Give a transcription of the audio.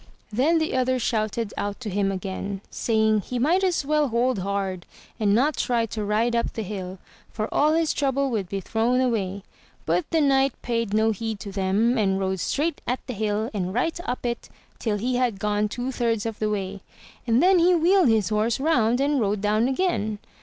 Then the others shouted out to him again, saying he might as well hold hard, and not try to ride up the hill, for all his trouble would be thrown away; but the knight paid no heed to them, and rode straight at the hill, and right up it, till he had gone two thirds of the way, and then he wheeled his horse round and rode down again.